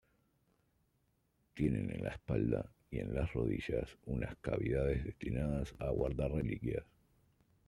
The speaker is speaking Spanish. Tiene en la espalda y en las rodillas unas cavidades destinadas a guardar reliquias.